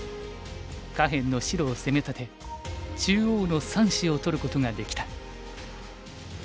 下辺の白を攻め立て中央の３子を取ることができた。